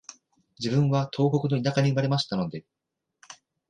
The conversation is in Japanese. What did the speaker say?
自分は東北の田舎に生まれましたので、